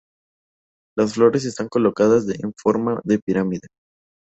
Las flores están colocadas en forma de pirámide.